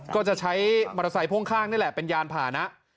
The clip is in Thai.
ก็จะใช้มอเตอร์ไซค์พ่วงข้างนี่แหละเป็นยานผ่านะ